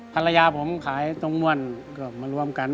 ภรรยาผมขายตรงม่วนก็มารวมกัน